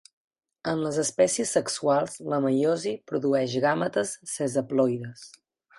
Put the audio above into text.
En les espècies sexuals, la meiosi produeix gàmetes ces haploides.